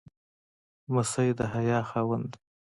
لمسی د حیا خاوند وي.